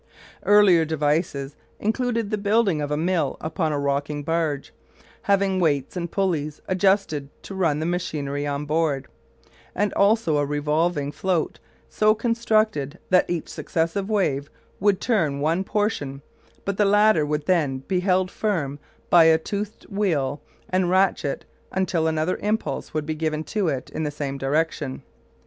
Earlier devices included the building of a mill upon a rocking barge, having weights and pulleys adjusted to run the machinery on board; and also a revolving float so constructed that each successive wave would turn one portion, but the latter would then be held firm by a toothed wheel and ratchet until another impulse would be given to it in the same direction.